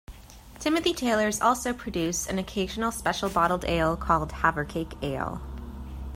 Timothy Taylor's also produce an occasional special bottled ale called "Havercake Ale".